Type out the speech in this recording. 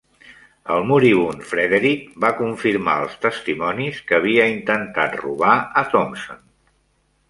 El moribund Frederick va confirmar als testimonis que havia intentat robar a Thompson.